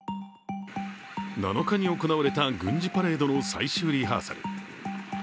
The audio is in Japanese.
７日に行われた軍事パレードの最終リハーサル。